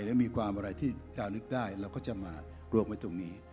ยังมีความอะไรที่ชาวนึกได้เราก็จะมารวมไว้ตรงนี้